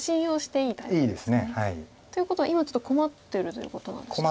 いいです。ということは今ちょっと困ってるということなんですか？